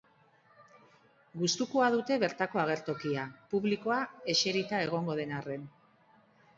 Gustukoa dute bertako agertokia, publikoa eserita egongo den arren.